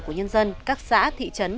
của nhân dân các xã thị trấn